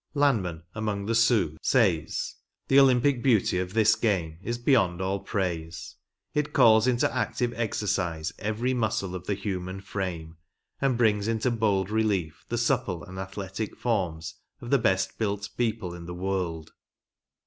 Lanman, among the Sioux, says :" The Olympic beauty of this game is beyond all praise. It calls THE ORIGINAL GAME. 29 into active exercise every muscle of the human f^ame, and brings into bold relief the supple and atnletic forms of the best built people in the world.